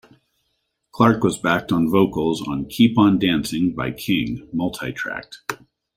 Clark was backed on vocals on "Keep On Dancing" by King, multi-tracked.